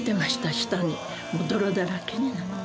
下にもう泥だらけになって